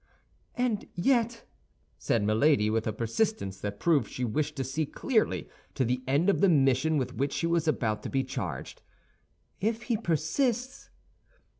"And yet," said Milady, with a persistence that proved she wished to see clearly to the end of the mission with which she was about to be charged, "if he persists?"